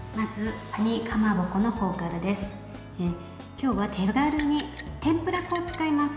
今日は手軽に天ぷら粉を使います。